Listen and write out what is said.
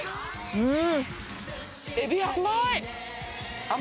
うん！